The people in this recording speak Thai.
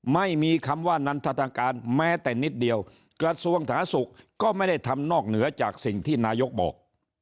ไม่มีคำว่านันทการแม้แต่นิดเดียวกระทรวงสาธารณสุขก็ไม่ได้ทำนอกเหนือจากสิ่งที่นายกบอก